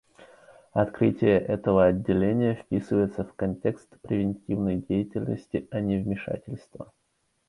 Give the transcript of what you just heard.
Открытие этого Отделения вписывается в контекст превентивной деятельности, а не вмешательства.